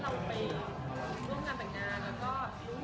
ซีนน้ำตาซีน